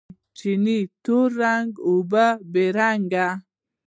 چینې تور رنګه، اوبه بې رنګه